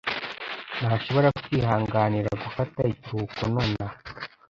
ntashobora kwihanganira gufata ikiruhuko nonaha.